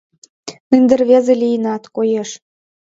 Ынде рвезе лийынат, коеш.